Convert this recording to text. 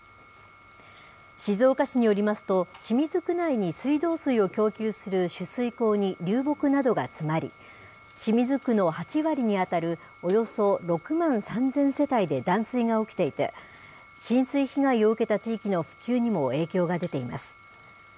静岡市によりますと、清水区内に水道水を供給する取水口に流木などが詰まり、清水区の８割に当たる、およそ６万３０００世帯で断水が起きていて、浸水被害を受けた地域の復旧にも影響が出ています。